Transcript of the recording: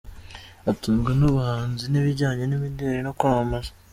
Atunzwe n’ubuhanzi n’ibijyanye n’imideli no kwamamaza.